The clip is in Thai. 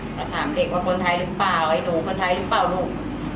ก็ถามเด็กว่าคนไทยหรือเปล่าไอ้หนูคนไทยหรือเปล่าลูก